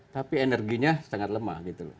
tapi energinya sangat lemah gitu loh